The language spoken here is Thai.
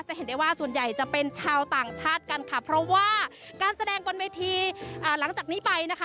เห็นได้ว่าส่วนใหญ่จะเป็นชาวต่างชาติกันค่ะเพราะว่าการแสดงบนเวทีหลังจากนี้ไปนะคะ